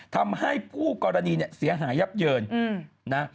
ทำให้ผู้กรณีเสียหายับเยิน